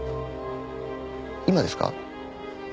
今ですか？